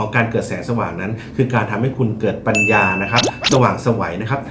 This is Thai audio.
การเกิดแสงสว่างนั้นคือการทำให้คุณเกิดปัญญาสว่างสวัย